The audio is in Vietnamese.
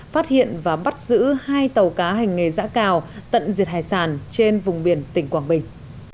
phát hiện và bắt giữ hai tàu cá hành nghề giã cào tận diệt hải sản trên vùng biển tỉnh quảng bình